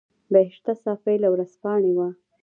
بهشته صافۍ له ورځپاڼې وه.